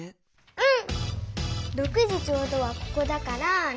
うん。